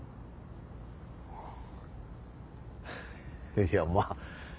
いやまあ